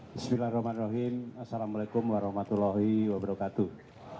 bismillahirrahmanirrahim assalamualaikum warahmatullahi wabarakatuh